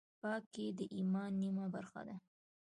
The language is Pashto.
پاکي د ایمان نیمه برخه ده.